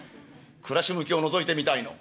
暮らし向きをのぞいてみたいの。